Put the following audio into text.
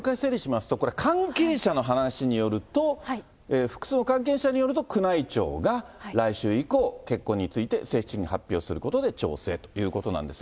もう一回整理しますと、これ、関係者の話によると、複数の関係者によると、宮内庁が、来週以降、結婚について正式に発表することで調整ということなんですが。